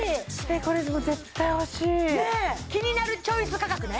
これ絶対欲しいねっ「キニナルチョイス」価格ね？